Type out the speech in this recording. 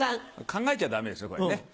考えちゃダメですねこれね。